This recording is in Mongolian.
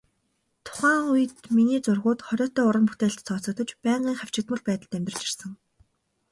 Тухайн үед миний зургууд хориотой уран бүтээлд тооцогдож, байнгын хавчигдмал байдалд амьдарч ирсэн.